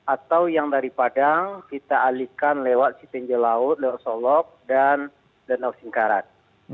atau yang dari padang kita alihkan lewat siting jelaut lewat solok dan nau singkaran